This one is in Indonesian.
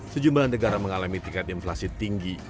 sejumlah negara mengalami tingkat inflasi tinggi